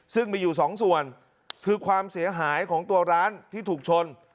ซึ่งมีอยู่สองส่วนคือความเสียหายของตัวร้านที่ถูกชน